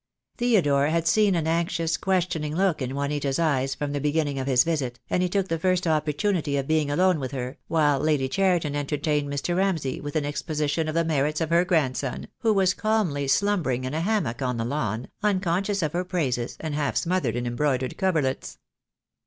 Theodore had seen an anxious, questioning look in Juanita's eyes from the beginning of his visit, and he took the first opportunity of being alone with her, while Lady Cheriton entertained Mr. Ramsay with an exposi tion of the merits of her grandson, who was calmly slumbering in a hammock on the lawn, unconscious of her praises, and half smothered in embroidered coverlets.